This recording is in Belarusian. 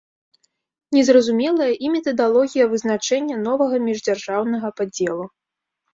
Не зразумелая і метадалогія вызначэння новага міждзяржаўнага падзелу.